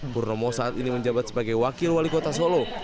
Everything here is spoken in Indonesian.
purnomo saat ini menjabat sebagai wakil wali kota solo